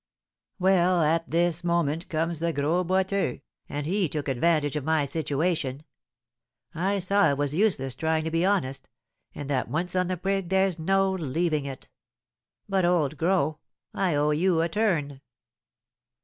Well, at this moment comes the Gros Boiteux, and he took advantage of my situation. I saw it was useless trying to be honest, and that once on the prig there's no leaving it. But, old Gros, I owe you a turn."